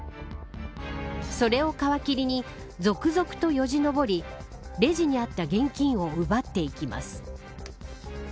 それを皮切りに続々とよじ登りレジにあった現金を奪っていきます。